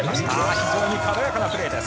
非常に軽やかなプレーです。